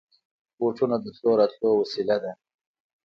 بوټونه د تلو راتلو وسېله ده.